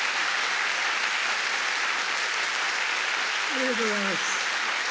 ありがとうございます。